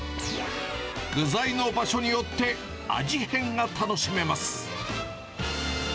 具材の場所によって味変が楽しめます。